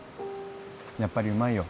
やっぱりうまいよ。